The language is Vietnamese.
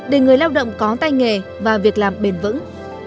để người lao động có tay nghề và việc làm bền vững